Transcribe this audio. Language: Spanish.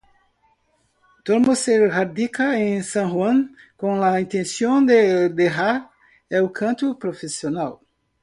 Tormo se radica en San Juan con la intención de dejar el canto profesional.